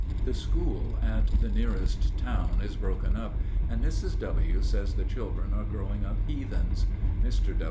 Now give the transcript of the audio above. ] The school at the nearest town is broken up, and Mrs. W. says the children are growing up heathens. Mr.